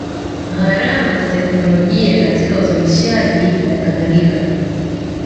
Gharama za teknolojia katika uzalishaji na kadhalika